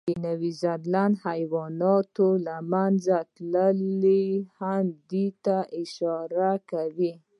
د نیوزیلند حیواناتو له منځه تلل هم دې ته اشاره کوي.